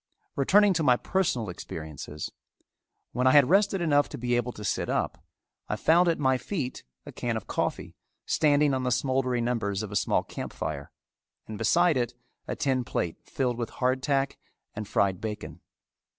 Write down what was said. Returning to my personal experiences: when I had rested enough to be able to sit up, I found at my feet a can of coffee standing on the smouldering embers of a small camp fire, and beside it a tin plate filled with hard tack and fried bacon.